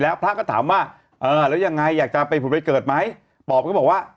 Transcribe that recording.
แล้วพระก็ถามว่าเออแล้วยังไงอยากจะไปผุดไปเกิดไหมปอบก็บอกว่า